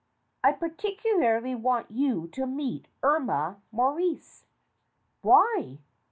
"I particularly want you to meet Irma Morrice." "Why?